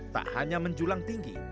tak hanya menjulang tinggi